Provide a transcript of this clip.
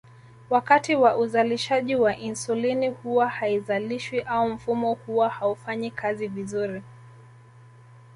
Wakati wa uzalishaji wa insulini huwa haizalishwi au mfumo huwa haufanyi kazi vizuri